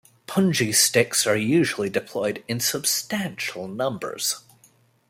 Punji sticks are usually deployed in substantial numbers.